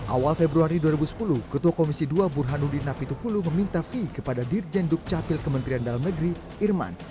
awal februari dua ribu sepuluh ketua komisi dua burhanuddin napitupulu meminta fee kepada dirjen dukcapil kementerian dalam negeri irman